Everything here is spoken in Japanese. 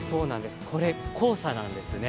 これ、黄砂なんですね。